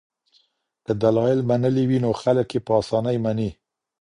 که دلایل منلي وي نو خلک یې په اسانۍ مني.